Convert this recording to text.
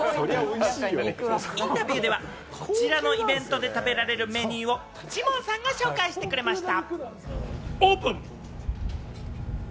インタビューではこちらのイベントで食べられるメニューをジモンさんが紹介してくれました。